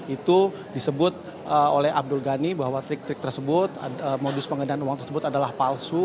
itu disebut oleh abdul ghani bahwa trik trik tersebut modus penggandaan uang tersebut adalah palsu